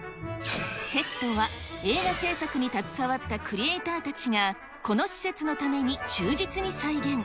セットは映画製作に携わったクリエーターたちが、この施設のために忠実に再現。